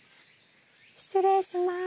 失礼します。